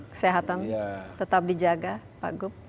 kesehatan tetap dijaga pak gup